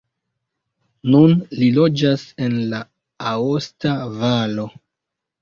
Nun li loĝas en la aosta valo.